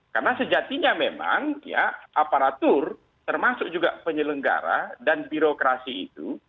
karena sejatinya memang ya aparatur termasuk juga penyelenggara dan birokrasi itu